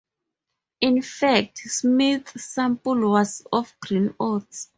In fact, Smith's sample was of green oats.